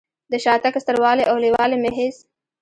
د شاتګ ستر والی او لوی والی مې هېڅ.